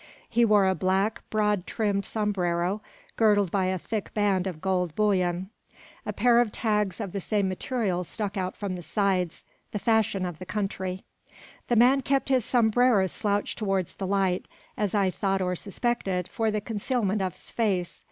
He wore a black, broad brimmed sombrero, girdled by a thick band of gold bullion. A pair of tags of the same material stuck out from the sides: the fashion of the country. The man kept his sombrero slouched towards the light, as I thought or suspected, for the concealment of his face.